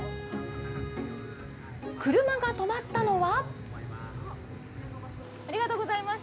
車が止まったのは。